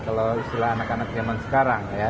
kalau istilah anak anak zaman sekarang ya